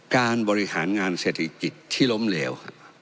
การบริหารงานเศรษฐกิจที่ล้มเหลว